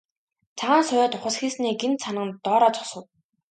Цагаан соёот ухасхийснээ гэнэт санан доороо зогсов.